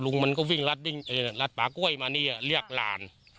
ลุงมันก็วิ่งลัดป่าก้วยมานี่เรียกราญ